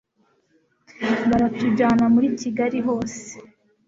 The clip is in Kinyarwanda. baratujyana muri kigali hose